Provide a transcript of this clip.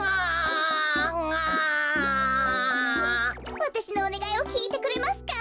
わたしのおねがいをきいてくれますか？